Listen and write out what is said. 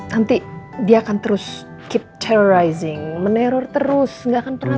nanti dia akan terus keep terrorizing meneror terus gak akan pernah berhenti